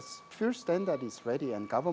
namun apabila standar perangkat terakhir sudah siap